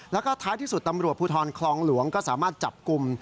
แล้วก็ท้ายที่สุดตำรวจภูทรคลองหลวงก็สามารถจับกลุ่ม